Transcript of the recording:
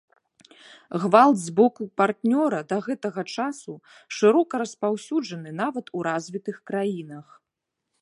Гвалт з боку партнёра да гэтага часу шырока распаўсюджаны нават у развітых краінах.